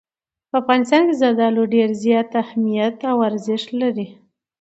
په افغانستان کې زردالو ډېر زیات اهمیت او ارزښت لري.